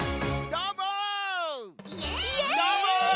どーも！